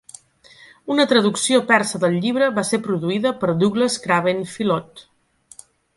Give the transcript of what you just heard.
Una traducció persa del llibre va ser produïda per Douglas Craven Phillott.